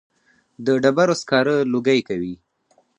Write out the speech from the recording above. د ډبرو سکاره لوګی کوي